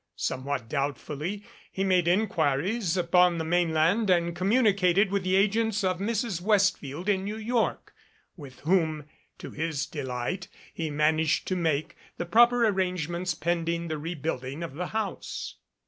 Somewhat doubtfully, he made inquiries upon the mainland and communicated with the agents of Mrs. Westfield in New York, with whom, to his delight, he managed to make the proper arrangements pending the rebuilding of the house.